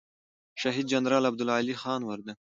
شهید جنرال عبدالعلي خان وردگ